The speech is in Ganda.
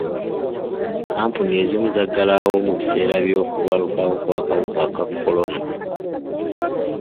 Kkampuni ezimu zaggalawo mu biseera by'okubalukawo kw'akawuka ka kolona.